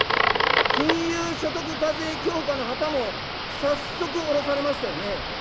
金融所得課税強化の旗も早速降ろされましたよね。